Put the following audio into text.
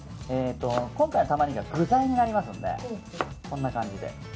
今回のタマネギは具材になりますのでこんな感じで。